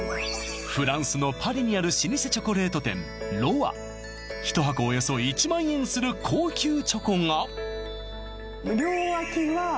フランスのパリにある老舗チョコレート店ＲＯＹ１箱およそ１万円する高級チョコが両脇が塩キャラメルなんですよ